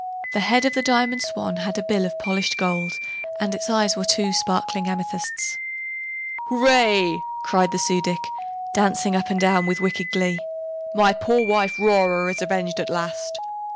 The head of the Diamond Swan had a bill of polished gold and its eyes were two sparkling amethysts. "Hooray!" cried the Su dic, dancing up and down with wicked glee. "My poor wife, Rora, is avenged at last.